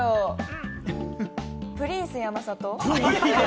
プリンス山里？